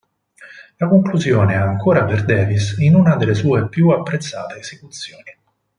La conclusione è ancora per Davis in una delle sue più apprezzate esecuzioni.